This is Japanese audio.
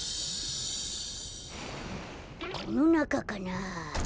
このなかかな？